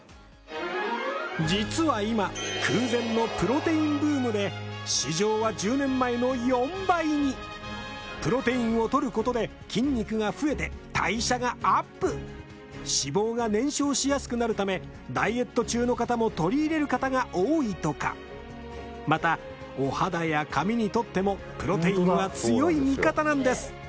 実は今空前のプロテインブームで市場は１０年前の４倍にプロテインを取ることで筋肉が増えて代謝がアップ脂肪が燃焼しやすくなるためダイエット中の方も取り入れる方が多いとかまたお肌や髪にとってもプロテインは強い味方なんです